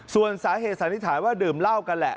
ส่วนสาเหตุสันนิษฐานว่าดื่มเหล้ากันแหละ